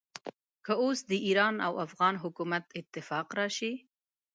که اوس د ایران او افغان حکومت اتفاق راشي.